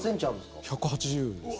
１８０ｃｍです。